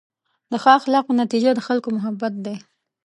د ښه اخلاقو نتیجه د خلکو محبت دی.